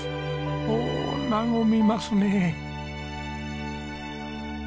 おお和みますね。